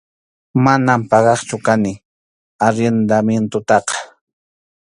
Manam pagaqchu kani arrendamientotaqa.